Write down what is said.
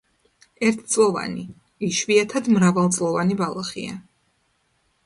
ერთწლოვანი, იშვიათად მრავალწლოვანი ბალახია.